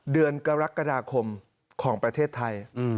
เดือนกรกฎาคมของประเทศไทย